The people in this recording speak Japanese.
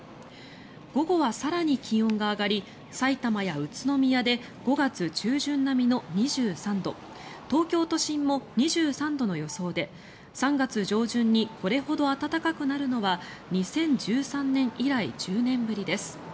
午後は更に気温が上がりさいたまや宇都宮で５月中旬並みの２３度東京都心も２３度の予想で３月上旬にこれほど暖かくなるのは２０１３年以来１０年ぶりです。